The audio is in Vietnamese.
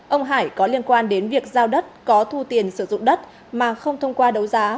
ông hải có liên quan đến việc giao đất có thu tiền sử dụng đất mà không thông qua đấu giá